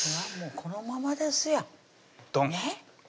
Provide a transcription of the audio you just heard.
このままですやんドン！